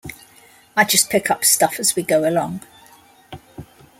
I just pick up stuff as we go along.